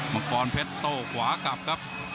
มังกรเพชรโต้ขวากลับครับ